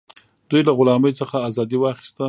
دوی له غلامۍ څخه ازادي واخیسته.